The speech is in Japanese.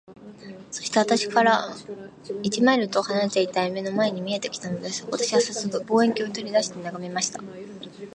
そして、私から一マイルとは離れていない眼の前に見えて来たのです。私はさっそく、望遠鏡を取り出して眺めました。